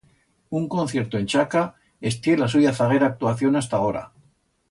Un concierto en Chaca estié la suya zaguera actuación hasta agora.